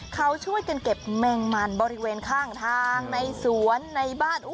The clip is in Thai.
เขาช่วยกันเก็บแมงมันบริเวณข้างทางในสวนในบ้าน